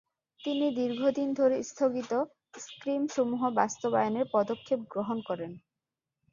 তিনি দীর্ঘদিন ধরে স্থগিত স্ক্রীমসমূহ বাস্তবায়নের পদক্ষেপ গ্রহণ করেন।